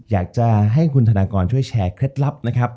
อยากจะให้คุณธนากรช่วยแชร์เคล็ดลับนะครับ